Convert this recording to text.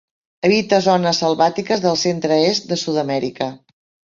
Habita zones selvàtiques del centre-est de Sud-amèrica.